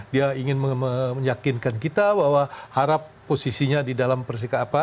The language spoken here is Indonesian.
dia ingin meyakinkan kita bahwa harap posisinya di dalam persidangan